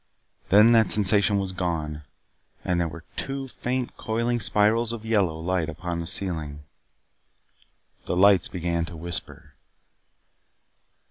Then that sensation was gone, and there were two faint coiling spirals of yellow light upon the ceiling. The lights began to whisper.